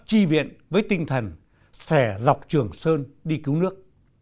chi viện với tinh thần sẻ dọc trường sơn đi cứu nước